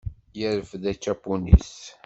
Yerfed acapun-is.